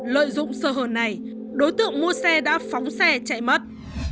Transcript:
lợi dụng sơ hở này đối tượng mua xe đã phóng xe chạy mất